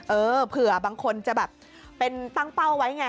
เออเผื่อบางคนจะแบบเป็นตั้งเป้าไว้ไง